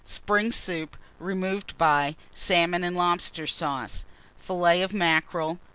_ Spring Soup, removed by Salmon and Lobster Sauce. Fillet of Mackerel.